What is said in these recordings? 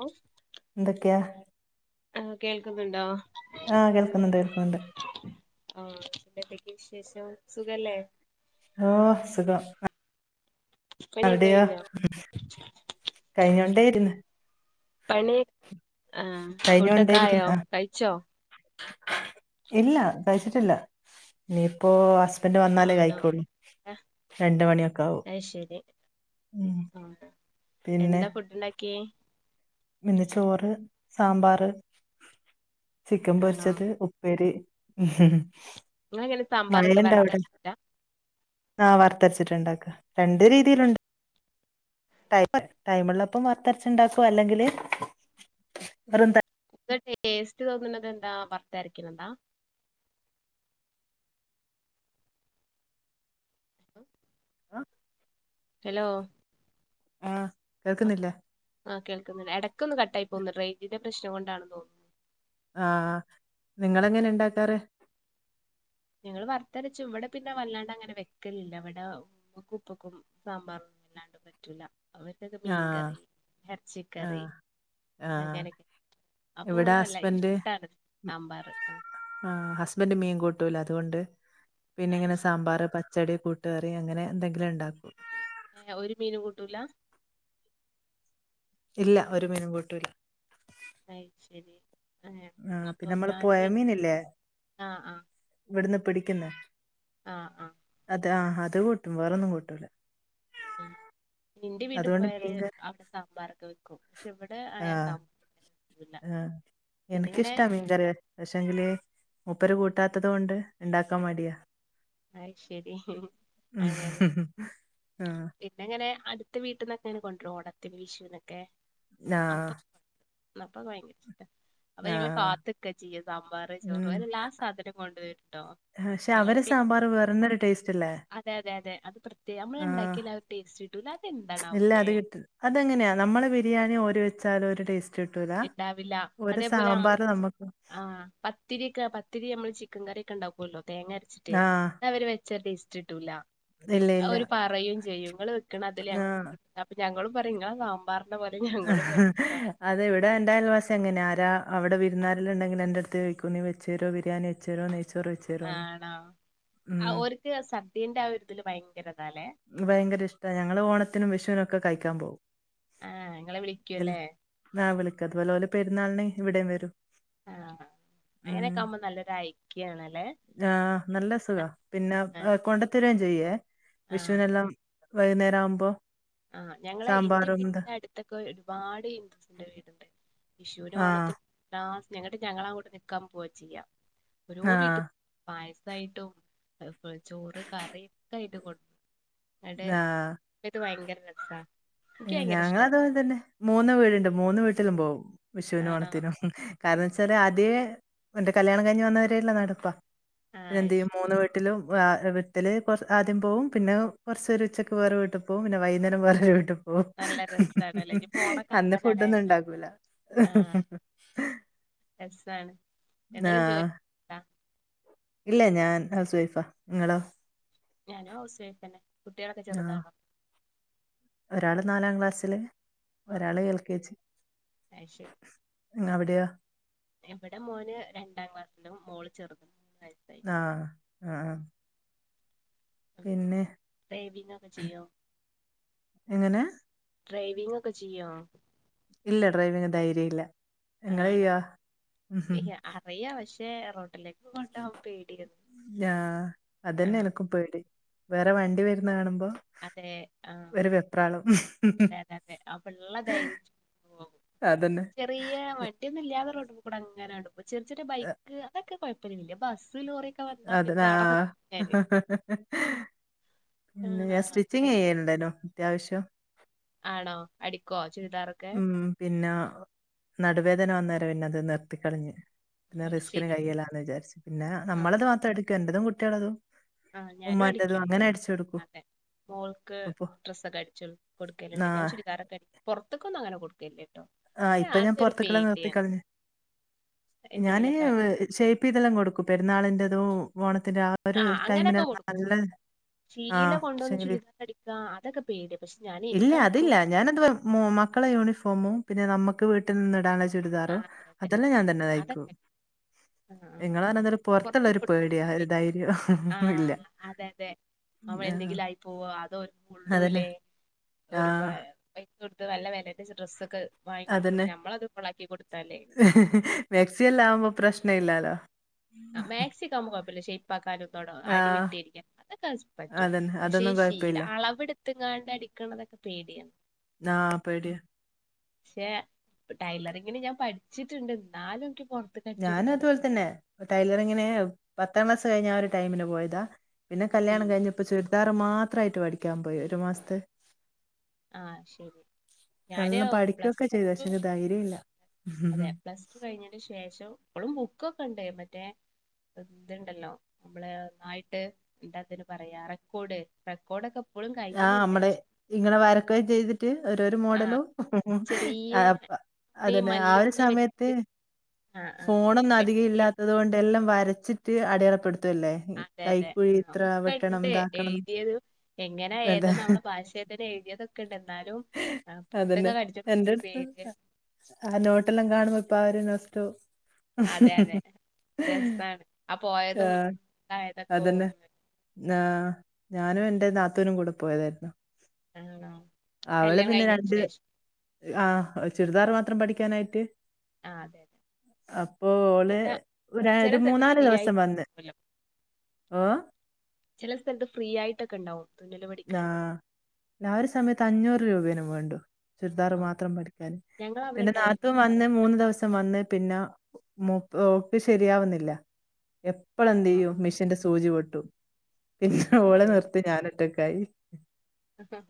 ഔ എന്തൊക്കെയ ആഹ് കേൾക്കുന്നുണ്ടോ ആഹ് കേൾക്ക്ന്ന്ണ്ട് കേൾക്ക്ന്ന്ണ്ട് ആഹ് പിന്നെ എന്തൊക്കെ വിശേഷം സുഖല്ലേ ഓഹ് സുഖം പണിയൊക്കെ അവിടെയോ കഴിഞ്ഞോ കഴിഞ്ഞോണ്ടേര്ന്ന് പണി ആഹ് ഫുഡൊക്കെ കഴിഞ്ഞോണ്ടേയിരിക്കുന്നു ആയോ ആ കഴിച്ചോ ഇല്ല കയ്ച്ച്ട്ടില്ല ഇനീപ്പോ ഹസ്ബൻ്റ് വന്നാലേ ആണോ കഴിക്കൊള്ളൂ ആ, രണ്ട് മണി ഒക്കാകും അത് ശെരി ആഹ് എന്താ ഫുഡ്ണ്ടാക്കി ഇന്ന് ചോറ് സാമ്പാറ് ചിക്കൻ ആണോ പൊര്ച്ചത് ഉപ്പേരി നിങ്ങളെങ്ങനെ സാമ്പാറൊക്കെ വിയിലന്റാവിട്ടേനെ വറുത്തരച്ചിട്ടാ ആഹ് വർത്തര്ച്ച്ട്ട്ണ്ടാക്കാ രണ്ട് രീതിയിലു ടൈം ഉള്ളപ്പോൾ വറുത്തരച്ചു ഉണ്ടാക്കും അല്ലെങ്കില് വെറും തേ എന്ത ടേസ്റ്റ് തോന്ന്ണതെന്താ വർത്തരക്ക്ണതാ ഹലോ കേക്ക്ന്നില്ല ആഹ് കേൾക്ക്ന്നണ്ട് എടക്കൊന്ന് കട്ടായി പോന്ന് റേഞ്ചിന്റെ പ്രശ്നം കൊണ്ടാണ് തോന്നുന്നു ആഹ് നിങ്ങളെങ്ങനെ ഇണ്ടാക്കാറ് ഞങ്ങള് വർത്തരച്ചും ഇവടെ പിന്നെ വല്ലാണ്ടങ്ങനെ വെക്കലില്ല ഇവടെ ഉമ്മാക്കും ഉപ്പക്കും സാമ്പാറ് ഇല്ലാണ്ട് പറ്റൂല അവര്ക്കൊക്കെ ആ മീൻകറി ആ എർച്ചിക്കറി ആ അങ്ങനൊക്കെ അപ്പൊ ഇവിടെ അങ്ങനെ വല്ലാ ഹസ്ബൻഡ് ഇഷ്ടാണ് സാമ്പാറ് ആഹ് ആഹ് ഹസ്ബൻ്റ് മീൻ കൂട്ടൂല അതുകൊണ്ട് പിന്നെ അത് ഇങ്ങനെ ശരി സാമ്പാറ് പ ച്ചടി കൂട്ടുകറി അങ്ങനെ എന്തെങ്കിലും ഇണ്ടാക്കും ഏഹ് ഒരു മീനും കൂട്ടൂല ഇല്ല ഒരുമീനും കൂട്ടൂല അത് ശെരി ആഹ് അപ്പൊ പിന്നെ നമ്മള് പൊയ ഞാന് ആഹ് ആഹ് ഇവിടിന്ന് പിടിക്കുന്ന ആഹ് ആഹ് അത് ആഹ് അത് കൂട്ടും വേറൊന്നും കൂട്ടൂല്ല ഉം ഇന്റെ വീട്ടി അതുകൊണ്ട് പോയാല് മീൻകറി അവടെ സാമ്പാറൊക്കെ വെക്കും പക്ഷെ ഇവടെ ആയാ ആഹ് സാ ആഹ് ഇനക്ക് ഇങ്ങനെ ഇഷ്ടാ മീൻകറി പക്ഷെ എങ്കില് മുപ്പര് കൂട്ടാത്തത് കൊണ്ട് ഇണ്ടാക്കാൻ മടിയാ അയ് ശെരി അങ്ങനെ ആഹ് പിന്നെ അങ്ങനെ അട്ത്ത് വീട്ട്ന്നൊക്കെ ഇങ്ങനെ കൊണ്ട് വെരും ഓണത്തിന് വിഷുന്നൊക്കെ ആഹ് അപ്പം ഇന്നപ്പം ബയങ്കര ഇഷ്ട അപ്പം ഞങ്ങള് ആഹ് കാത്തിക്ക ചെയ്യാ സാമ്പാറ് ചോറ് ലാസ് സധനം കൊണ്ട് വെരും ഇട്ടേ ആ ക്ഷേ അവര് സാമ്പാറ് വേറെന്നൊര് ടേസ് അതെ അതെ അതെ അത് പ്രത്യേക നമ്മള് ആഹ് ഒണ്ടാക്കിയാല് ആ ഓര് ടേസ്റ്റ് കിട്ടൂല്ലാ അതെന്താ ഇല്ല അത് കിട്ട അതെങ്ങനെയാ നമ്മളെ ബിരിയാണി ഓര് വെച്ചാലു ഒരു ടേസ് റ്റ് കിട്ടുല ഒരു സാമ്പാർ നമ. ആഹ പത്തിരി ഒക്കെ പത്തിരി നമ്മള് ചിക്കൻ കറിയൊക്കെ ഉണ്ടാക്കല്ലോ തേങ്ങ അരച്ചിട്ട് ആഹ്. അവര് വ ച്ചാൽ ടേസ്റ്റിട്ടൂല്ല ഇല്ല ഇല്ല. ഓര് പറയുകയും ചെയ്യും ങ്ങൾ വെക്ക്ണ അതില്. ആഹ്. അപ്പൊ ഞങ്ങളും പറയും ഇങ്ങളെ സാമ്പ. ഹി അതെവിടെ എന്റെ അയൽവാസി അങ്ങനെ ആരാ അവിടെ വിരുന്നാര് ണ്ടെങ്കില് എന്റെ അടുത്ത് ചോദിക്കു നീ വെച്ച തരോ ബിരിയന്ന് ചെറോ നെയ്ചോറ് വെച്ച് തരോന്ന്? ആണോ ഓര്ക്ക് ആ സദ്യന്റെ ആ ഒരുരിതില് ഭയങ്കരതാല്ലേ? ഭയങ്കര ഇഷ്ട ഞങ്ങള് ഓണത്തിനും വിഷുവിനും ഒക്കെ കഴിക്കാൻ പോവു. ആഹ ഇങ്ങളെ വിളിക്കൂല്ലേ? ആ വിളിക്കും അത് പോലെ ഓല് പെരുന്നാളിന് ഇവിടേം വരൂ. ആഹ്‌. ഉ ആ നല്ല സുഖ പിന്നെ കൊണ്ട ത്തെരും ചെയ്യേ ആഹ് വിഷുവിനെല്ലാം വൈകുന്നേരം ആവുമ്പോ? ആഹ് ഞങ്ങളെ ഇന്റെ സാമ്പാറും ഇത് വീടിന്റെ അടുത്തൊക്കെ ഒരുപാട് ഹിന്ദുസിന്റെ വീടുണ്ട്. വിഷുവിനു ആഹ്. ഓണത്തി ഞങ്ങട്ട് ഞങ്ങള അങ്ങോട്ട് നിക്കാൻ പോവാ ചെയ്യാം ഓരോ ആഹ് വീട്ടും. പായസായിട്ടും ചോറ് കറി ഒക്കെ ആയിട്ടും കൊണ്ട്. ന്നിട്ട് ആഹ് ഇത് ഭയങ്കര രസ ഞങ്ങള് അതുപോലെ തന്നെ മൂന്ന് വീടുണ്ട് മൂന്ന് വീട്ടിലും പോകും വിഷുവിനും ആണോ ഓണത്തിനും. കാരണേ ച്ചാല് അദ്യേ എന്റെ കല്യാണം കഴിഞ് വന്നവരല്ല നടപ്പാ ആഹ് പിന്നെ എന്ത് അത് ചെയ്യും ശരി മൂന്ന്. വീട്ടിലും വിട്ടില് ആദ്യം പോവും പിന്നെ കുറചൊരു ഉച്ചക്ക് വേറെ വീട്ട് പോകും പിന്നെ വൈകുന്നേരം വേറെ വിട്ടി പോവും. ഓ നല്ല രസാണല്ലേ ഇനി ഫോണൊക്കെ അന്ന് ഫുഡൊന്നും ആവാനായല്ലോ ഉണ്ടാക്കൂല. ആഹ് രസാണ്. എന്തേലും ജോലി ആഹ് ണ്ടാ ഇല്ല ഞാൻ ഹൗസ് വൈഫാ ഇങ്ങളോ? ഞാനും ഹൗസ് വൈഫന്നെ കുട്ടികളൊക്കെ ആഹ് ചെറുതാണോ? ഒരാള് നാലാം ക്ലാസ്സില് ആഹ് ഒരാള് എൽ കെ ജി. അത് ശരി അവിടെയോ? ഇവിടെ മോന് രണ്ടാം ക്ലാസ്സിലും മോള് ചെറുത്. ആഹ് ആഹ് പിന്നെ ഡ്രൈവിംഗ് ഒക്കെ ചെയ്യോ എങ്ങനെ? ഡ്രൈവിംഗ് ഒക്കെ ചെയ്യോ? ഇല്ല ഡ്രൈവിങ് ധൈര്യ ഇല്ല നിങ്ങള് ചെയ്യോ? അറിയ്യ പക്ഷേ റോട്ടിലേക്ക് കൊണ്ടോ വാൻ പേടിയ. ആ അതന്നെ എനക്കും പേടി വേറെ വണ്ടി വരുന്ന കാണുമ്പോ. അതെ ആഹ് ഒരു വെപ്രാളം. അത അതെ അതെ അപ ള്ള ധൈര്യം പോകും. അതന്നെ. ചെറിയ വണ്ടിയൊന്നും ഇല്ലാതെ റോഡ്മ്മ കൂടെ അങ്ങനെ പോവും ഇ ചെറിയ ചെറിയ ബൈക്ക് അ ക്ക് കൊഴപ്പൊന്നില്ല ബസ് ലോറി. അത് ആ പിന്നെ ഞാന് ഞാൻ ആഹ് സ്റ്റിച്ചിങ് അങ്ങനെ ചെയ്യല്ണ്ടയ്നു അത്യാവശ്യം. ആണോ അടിക്കോ ചുരിദാർ ഉം പിന്നെ നടുവേദന വന്നേരം പിന്നെ അത് നിർത്തി കളഞ്. പിന്നെ അത് റിസ്കിന് ശരി കൈല്ലാന്ന് വിചാ രിച്ചു പിന്നെ ആഹ് നമ്മളത് മാത്രം അടിക്കും എന്റെതും കുട്ടിയാളതും. ആഹ് ഞാനും അടിക്കും. [unintelligible] അതെ മോൾക്ക് ഇപ്പപ്പോ ഡ്രസ്സൊക്കെ അടിച്ച് കൊടുക്കലുണ്ട് ഞാൻ ആഹ് ചുരിദാറൊക്കെ അടി പുറത്ത്ക്കൊന്നും അങ്ങെനെ കൊടുക്കല്ല ട്ടോ? ആ ഇപ്പൊ ഞാൻ പുറത്തക്കുള്ള നിർത്തി കളഞ്ഞു ഞാന് എന്തേലൊക്കെ പ്പോ ഇതെല്ലാം കൊടുക്കും പെരുന്നാളിന്റെതും ഓണത്തിന്റെ ആ ഒരു അങ്ങനെയൊക്കെ ടൈമിനല്ല കൊടുക്കും നല്ല ആ, ശീല കൊണ്ടുവന്ന പക്ഷേങ്കില് ചുരിദാറ ടിക്കുക അതൊക്കെ പേടിയ പക്ഷെ ഞാൻ എനിക്കടിക്കും മ മക്കളെ യൂണിഫോമും പിന്നെ നമുക്ക് വീട്ടിൽ നിന്ന് ഇടാന്ള്ള ചു ആ ചുരിദാറും അതെ അതെ അതല്ലാം ഞാൻ തന്നെ തയിക്കും അതൊക്കെ ആ ആ ഇങ്ങൾ പറഞ്ഞൊരു പൊറത്തുള്ള പുറത്ത് ഒരു കൊടുക്കും പേടിയ ഒരു പി- ധൈര്യം ഇല്ല അവ ആ, എന്തെങ്കിലും ആയി പോവോ അതോ ഓര്ക്ക് അതന്നെ. കൊള്ളില്ലേ ആ, ഒരു പൈസ കൊടുത്ത് നല്ല വിലന്റെ ഡ്രസ്സ ഒക്കെ വാങ്ങിക്കൊണ്ടിരുമ്പോ നമ്മളത് കൊളാക്കി കൊടുത്താലെ മേക്സി എല്ലൊം ആവുമ്പോ പ്രശ്ന ഇല്ലാലോ ആ മാക്സിക്കോ ആവുമ്പോ കുഴപ്പില്ല ഷേപ്പ് ആക്കാനും ആ, അടി വെട്ടിയടിക്കാനും അതൊക്കെ പറ്റും അതന്നെ. പക്ഷെ അതൊന്നും ഈ ശീല കുഴപ്പമില്ല. അളവെടുത്തങ്ങാണ്ട് അടിക്കുന്നതൊക്കെ പേടിയാണ് ആ പേടിയാ പക്ഷേ ടൈലറിങ്ങിന് ഞാൻ പഠിച്ചിട്ടുണ്ട് ന്നാലും ഇനിക്ക് പോണം ഞാനും അതുപോലെ തന്നെ ടൈലറിങ്ങിന് പത്താം ക്ലാസ് കഴിഞ്ഞ ആ ഒരു ടൈമിൽ പോയതാ പിന്നെ ഉം കല്യാണം കഴിഞ്ഞപ്പോൾ ചുരിദാർ മാത്രായിട്ട് പഠിക്കാൻ പോയി ഒരു മാസത്തെ ആ ശരി ഞാന് നല്ലോം പ്ലസ് പഠിക്കുകയൊക്കെ ചെയ്തു ടു പക്ഷെ എനിക്ക് ധൈര്യം ഇല്ല അതെ പ്ലസ് ടു കഴിഞ്ഞന് ശേഷം ഇപ്പോളും ബുക്കൊക്കെ ഇണ്ട് മറ്റേ ഇന്തുണ്ടല്ലോ നമ്മള് ന്നായിട്ട് എന്താതിന് പറയാ റെക്കോർഡ് റെക്കോർഡക്കെ ആ ഞമ്മൾ ഇങ്ങനെ വരക്ക ചെയ്ത് റ്റ് ഓരോ രോ ആഹ് മോഡലോ ചെറിയ ആഹ് തുണി അതന്നെ ആ മല്ല് ഒരു തുണി സമയത്ത് വെച്ച് ആഹ് ആഹ് ഫോണൊന്നും അധികം വെട്ടി ഇല്ലാത്തോണ്ട്‌ എല്ലാം വരച്ചിട്ട് അടിയളപ്പെടുത്തുംല്ലേ അതെ അതെ ആ ഒക്കെ ഇണ്ട് ഇതാക്കണം എഴുതിയതും എങ്ങനെയാ അതെ ഏതാന്ന് നമ്മളെ ഭാശയത്തന്നെ എഴുതിയതൊക്കെ ഇണ്ട് എന്നാലും ആ പുട്ടോക്കെ അതന്നെ കടിച്ചും എന്റെ ഒരു അടുത്ത് പേരിന് ആ നോട്ടെല്ലാം കാണുമ്പോ ഇപ്പൊ ആ ഒരു നോസ്റ്റോ അതെ അതെ രസാണ് ആ പോയതും ആഹ ഇതായതൊക്കെ അതന്നെ ഓർമ്മ ആ ഞാനും എൻന്റെ നാത്തൂനും കൂടെ പോയതായിരുന്നു ആണോ കല്യാണം കഴിഞ്ഞതിന് ശേഷോ ആ ചുരിദാർ മാത്രം പഠിക്കാനായിട്ട് ആതെ അപ്പോ ഓള് രാ ചില ഒരു സ്ഥലത്ത് മൂന്നാല് ഫ്രീ ദിവസം വന്ന് ആയിട്ടല്ലോ ഓ ചില സ്ഥലത്ത് ഫ്രീ ആയിട്ടൊക്കെ ഇണ്ടാവും ആഹ് അഒരു സമയത്ത് അഞ്ഞൂറ് രൂപേനും വേണ്ടു ചുരിദാർ ആ മാത്രം പഠിക്കാന് ഞങ്ങൾ അവിടെ പിന്നെ ഉണ്ടായിരുന്നു നാത്തുൻ വന്ന് മൂന്ന് ദിവസം വന്ന് പിന്നെ മോ ഓക്ക് ശരിയാവുന്നില്ല എപ്പളും ആ എന്ത്യ്യും ആ മെഷീന്റെ സൂചി പൊട്ടും പിന്നെ ഓള് അതെ നിർത്തി ഞാന് ഒറ്റക്കായി ആഹ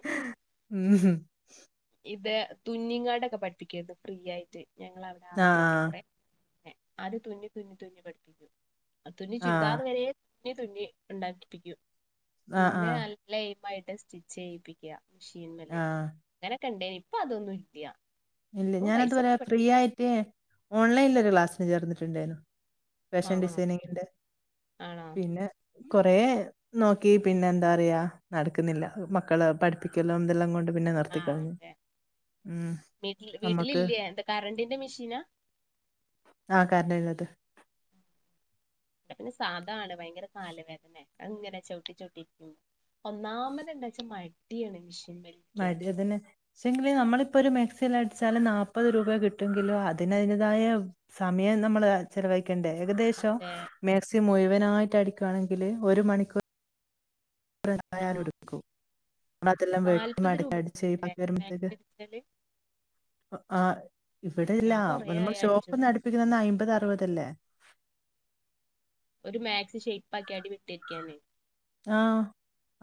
ഉംഹ് ഇത് തുന്നിങ്ങാടൊക്കെ പഠിപ്പിക്കണ്ട് ഫ്രീ ആയിട്ട് ഞങ്ങവിടെ ആദ്യമായിട്ട് ആഹ്. കൊറെ ആദ്യം തുന്നി തുന്നി തുന്നി പഠിപ്പിച്ചു തുന്നി ചുരിദാർ ആഹ്. വരെ തുന്നി തുന്നി ഇണ്ടാക്കിപ്പിക്കും ആഹ്. പിന്നെ ആഹ്. നല്ല ഐമായിട്ട് സ്റ്റിച്ച് ചെയ്യിപ്പിക്കുക മിഷീൻമ്മൽ ആഹ്. അങ്ങനെ ഒക്കെ ഇന്ടെനിം ഇപ്പൊ അതൊന്നും ഇല്ല്യ ഇല്ല ഞാന്തുവരെ ഫ്രീ ആയിട്ട് ഓൺലൈനൽ ഒരു ക്ലാസ്സിന് ചേർന്നിട്ടുണ്ടായിരുന്നു ഫാഷൻ ആഹ് ആഹ് ഡിസൈനിങ്ങിന്റെ ആണോ പിന്നെ കൊറേ നോക്കി പിന്നെ എന്താറയാ നടക്കുന്നില്ല മക്കള് പഠിപ്പിക്കല്ലോ എന്തെല്ലാം കൊണ്ട് പിന്നെ നിർത്തി ആഹ് കളഞ്ഞു അതെ ഉം വീട്ടിൽ നമ്മക്ക് വീട്ടിലില്ലേ എന്താ കറണ്ടന്റെ മിഷീനാ ആ കരണ്ടിന്റേത് ഇവിടെ പിന്നെ സാധാണ് ഭയങ്കര കാല് വേദന അഹ്ങ്ങനെ ചവിട്ടി ചവിട്ടിരിക്കും ഒന്നാമത് എന്താവെച്ചാ മടിയാണ് മിഷൻ മേൽ ഇരി മടി അതന്നെ പക്ഷെങ്കില് നമ്മളിപ്പൊ ഒരു മെക്സിൽ അടിച്ചാല് നാല്പ്പത് രൂപ കിട്ടുങ്കിലോ അതിന് അതിന്റെതായ- സമയം നമ്മള് ഹെ ചെലവഴി - ക്കണ്ടേ ഏകശം അതെ മാക്സി മുഴുവനായിട്ട് അടിക്കയാണെങ്കി ഒരു മണിക്കൂ ർ ആയാലും ആഹ് എടുക്കും നമ്മൾ അതെല്ലാം വെട്ടി നാല്പത് മടക്കി രൂപ അടിച്ച് അല്ലേ വരുമ്പോത്തേക്ക് മാക്സി അടിച്ചാല് ആ- ഇവിടെല്ല ഞാൻ കൊറേ നമ്മൾ ആയി അടിച്ചിട്ട് ഷോപ്പ്ന്ന്ടുപ്പിക്കുന്ന അമ്പത് അറുപത് അല്ലേ? ഒരു മാക്സി ഷേപ്പ് ആക്കി അടി വെട്ടിക്കാന് ആഹ്!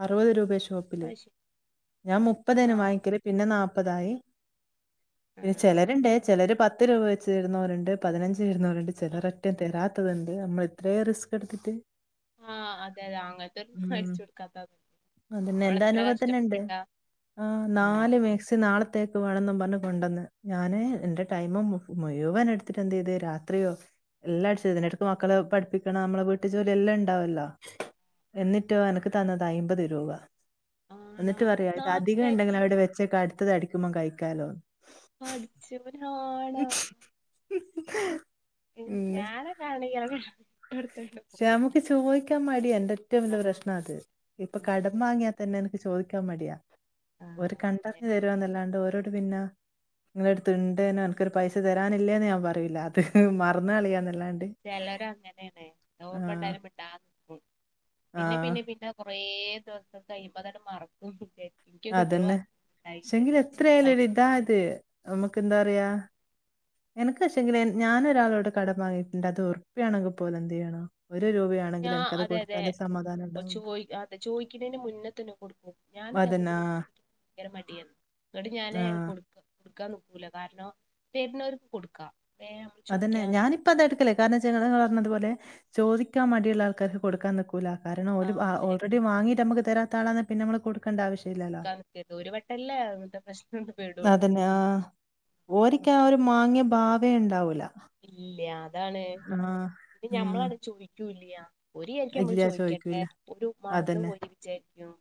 അറുപത് രൂപയ ഷോപ്പില് അത് ശരി ഞാൻ മുപ്പതേന ആഹ് വാങ്ങിക്കല് പിന്നെ നാല്പ്പതായി പിന്നെ ആ ചിലരുണ്ട് ചിലർ പത്ത് രൂപ വെച്ച് തരുന്നവരുണ്ട് പതിനഞ്ച് തരുന്നവരുണ്ട് ചെലലര ഒറ്റം തരാത്തതുണ്ട് നമ്മൾ ഇത്രയ റിസ്ക് എടുത്തിട്ട് ആഹ! അതെ! അതെ! അങ്ങനത്തെന്നും ഉം അടിച്ചു കൊടുക്കാത്ത അതന്നെ അവള് എന്റെ എത്ര അനുഭവത്തിന്നെ ഇണ്ട് കഷ്ടപ്പെട്ടിട്ടാ ആഹ്! നാല് മേക്സി നാളെ- ത്തേക്ക് വേണെന്നും പറഞ് കൊണ്ടന്ന് ഞാന് എന്റെ ടൈമ് മുഴുവനെടുത്തിട്ടെന്തെയ്ത് രാത്രിയോ- എല്ല അടിച്ച് ഇതിന്റെടയ്ക്ക് മക്കളെ പഠിപ്പിക്കണം നമ്മളെ വീട്ട് ജോലി എല്ലാം ണ്ടാവല്ലോ എന്നിട്ടോ എനക്ക് തന്നത് അയ്മ്പത് രൂപ ആണോ എന്നിട്ട് പറയാ ഇത് നാല് അധികം വരെ ഉണ്ടെങ്കിൽ അവിടെ വെച്ചേക്ക് അടുത്തത് അടിക്കുമ്പോ കഴിക്കാലോന്ന് പഠിച്ചോനാണോ [unintelligible] പിന്നെ ഞാനൊക്കാണെങ്കില് [unintelligible] ഷെ അമുക്ക് ചോയിക്കാൻ മടിയാ എന്റെ എറ്റവും വെല്യ ആഹ് പ്രശ്നാ അത് ഇപ്പൊ കടം വാങ്ങിയാതന്നെ എനക്ക് ചോദിക്കാൻ മടിയാ ഓര് കണ്ടറിഞ്ഞ് തെരാന്നല്ലാണ്ട് ഓരോ ട്ട് പിന്നാ ങ്ങളെട്ത്ത്ണ്ടെയ്ന് എനക്കൊരു പൈസ തരാനില്ലേന്ന് ഞാൻ പറയൂല്ല അത് മറന്ന് കള് യാന്നല്ലാണ്ട് ചെലരങ്ങനെണ് ഓർമ്മണ്ടായാലും മിട്ടാനിക്കും പിന്നെ ആഹ് പിന്നെ പിന്നെ കൊറേ ദിവസം കയ്യ്മ്പോ അതാണ്ട് മറക്കുംന്ന്ജാരിക്കും ഇൻക്കൊക്കെ എത്രോ അൻ ണ്ടായിണ്ട് എത്രയാലും ഒര് ഇതാ അത് നമുക്ക് എന്താ പറയാ എനക്ക് പക്ഷെങ്കിൽ ഞാനൊരാളോട് കടം വാങ്ങിയിട്ടുണ്ട് അത് ഉറപ്പിയാണെങ്കിൽ പോലും എന്ത് ചെയ്യണം ഒരു രൂപ എങ്കിലേ എൻക്കത് കൊടുത്താലേ സമാധാനം പ്പൊ ചോയ് അതെ ചോയ്ക്കണേന് മുന്നെ തന്നെ കൊട്ക്കും അതന്നെ. ആ, ഞാനിതെപോൽത്തന്നെ ഇൻക്ക് ങ്കര മടിയേന്ന് ന്നിട്ട് ഞാന് ആ. കൊടുക്ക കൊടുക്കാൻ നിക്കുല കാരണം തെര്ന്നോര്ക്ക് കൊടുക്കാ അതെന്നെ ഞാനിപ്പ അതാ എടുക്കല് കാരണംച്ചാ ങ്ങള് പറഞ്ഞത് പോലെ ചോദിക്കാൻ മടിയുള്ള ആൾക്കാർക്ക് കൊടുക്കാൻ നിക്കു ക്കൂല കാരണം ആ ഓല് അതെ ഓൾറെഡി വാങ്ങിട്ട് നമുക്ക് തരാത്ത ആളാന്നെ പിന്നെ നമ്മള് കൊടുക്കണ്ട ആശ്യല്ലല്ലോ ക്കെ ദൊ ഒരുവട്ടല്ലേ അങ്ങൻത്തെ പ്രശ്നത്ത് പെടൊള്ളൂ ആഹ് ഒരിക്കെ ആ ഒരു മാങ്യെ ഭാവേണ്ടാവൂല ഇല്ല്യ അതാണ്. ന്നെ ഉം. ഞമ്മളാണ് ചോയിക്കൂല്ല്യ ഓരിയാരിക്കും നമ്മള് ഇല്ല ചോയ്ക്കട്ടെ ചോദിക്കൂല. ഓര് അതന്നെ. മറന്നുപോയിന്ന് വിചാരിക്കും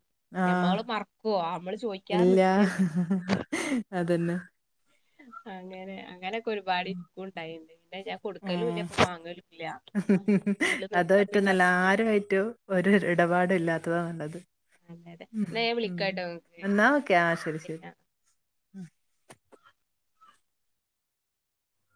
ആ. ഞമ്മള് മറ ക്കോ അമ്മള് ചോയ് ഇല്ല അതന്നെ അങ്ങനെ അങ്ങനൊക്കെ ഒരുപാട് ഇൻക്കുണ്ടായിണ്ട് ന്നെ ഞാൻ കൊടുക്കലുല്ല ആ. ഇപ്പ വാങ്ങലുല്ല ഇതില് നിന്നാ പിന്നെ അതിനെ നേരം [unintelligible] ളേറ്റോ ഒര് ര് ഇടപാട് ഇല്ലാത്തതാ നല്ലത് അതെ ഉം.. എന്നാ ഞാൻ ഉം. വിളിക്കാട്ടോ ഇങ്ങക്ക് എന്നാ ഓക്കെ ആഹ്. ശരി ശരി